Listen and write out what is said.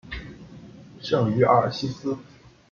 圣于尔西斯。